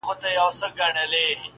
د قران يو څو ايته ترنم کړم